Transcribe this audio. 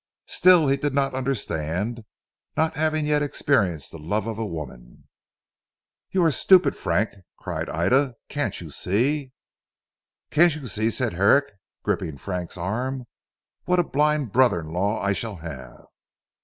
Still he did not understand, not having yet experienced the love of woman. "You are stupid Frank," cried Ida, "can't you see?" "Can't you see," said Herrick gripping Frank's arm. "What a blind brother in law I shall have."